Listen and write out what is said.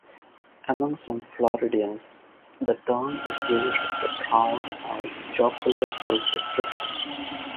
Among some Floridians, the term is used as a proud or jocular self-description.